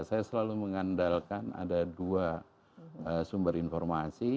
saya selalu mengandalkan ada dua sumber informasi